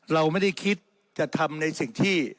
เราไม่ได้คิดจะทำในสิ่งที่